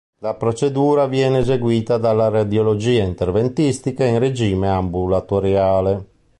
La procedura viene eseguita dalla radiologia interventistica in regime ambulatoriale.